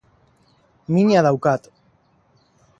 Mina daukat